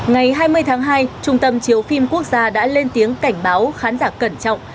ngày hai mươi tháng hai trung tâm chiếu phim quốc gia đã lên tiếng cảnh báo khán giả cẩn trọng